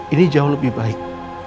ini jauh lebih baik